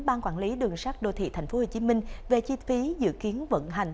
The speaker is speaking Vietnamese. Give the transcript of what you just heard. ban quản lý đường sắt đô thị tp hcm về chi phí dự kiến vận hành